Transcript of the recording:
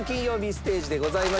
ステージでございました。